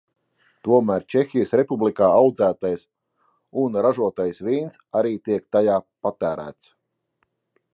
Tomēr Čehijas Republikā audzētais un ražotais vīns arī tiek tajā patērēts.